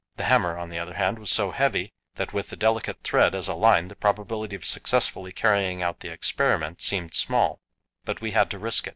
The hammer, on the other hand, was so heavy, that with the delicate thread as a line the probability of successfully carrying out the experiment seemed small, but we had to risk it.